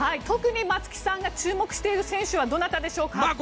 特に松木さんが注目している選手はどなたでしょうか。